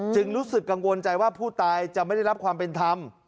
รู้สึกกังวลใจว่าผู้ตายจะไม่ได้รับความเป็นธรรม